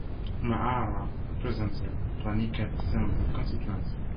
Mahara represents the Ranikhet Assembly constituency.